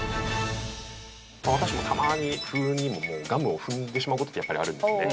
私もたまに不運にもガムを踏んでしまう事ってやっぱりあるんですね。